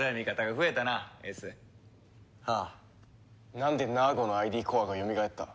なんでナーゴのＩＤコアがよみがえった？